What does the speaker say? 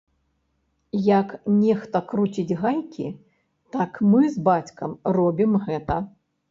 Як нехта круціць гайкі, так мы з бацькам робім гэта.